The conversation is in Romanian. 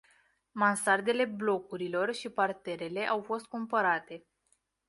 Mansardele blocurilor și parterele au fost cumpărate.